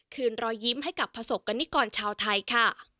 คืนรอยยิ้มให้กับประสบกรณิกรชาวไทยค่ะ